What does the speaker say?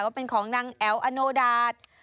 ว่าเป็นของนางแอ๋วอโนดาต